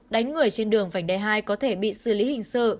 đánh người trên đường vành đai hai có thể bị xử lý hình sự